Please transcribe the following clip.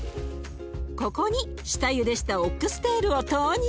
ここに下ゆでしたオックステールを投入。